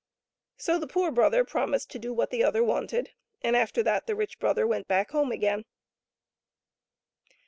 So the poor brother promised to do what the other wanted, and after that the rich brother went back home again.